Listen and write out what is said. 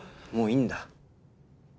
もういいんだ。